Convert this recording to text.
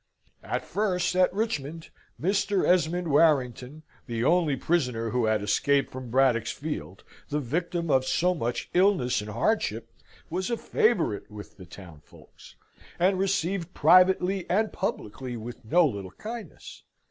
At first, at Richmond, Mr. Esmond Warrington, the only prisoner who had escaped from Braddock's field the victim of so much illness and hardship was a favourite with the town folks, and received privately and publicly with no little kindness.